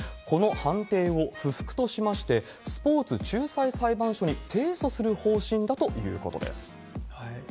この判定を不服としまして、スポーツ仲裁裁判所に提訴する方針だということです。